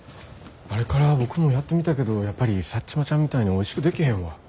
あれから僕もやってみたけどやっぱりサッチモちゃんみたいにおいしく出来へんわ。